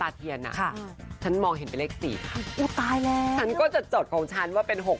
และมินก็จะจดของฉันล่ะว่าเป็น๖๘๔